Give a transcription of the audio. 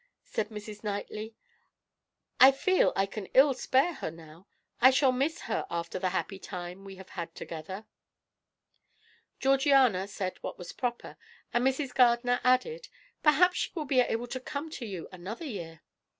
said Mrs. Knightley. "I feel I can ill spare her now; I shall miss her after the happy time we have had together." Georgiana said what was proper, and Mrs. Gardiner added: "Perhaps she will be able to come to you another year."